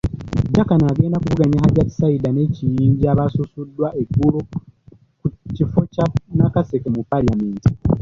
Jakana agenda kuvuganya Hajjati Saidah ne Kiyingi abasunsuddwa eggulo kukifo kya Nakaseke mu Palamenti.